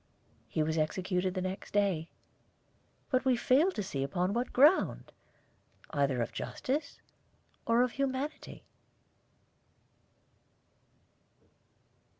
He was executed the next day, but we fail to perceive on what ground, either of justice or of humanity.